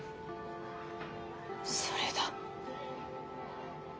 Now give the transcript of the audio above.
それだ。